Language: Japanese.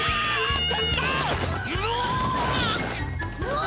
うわ！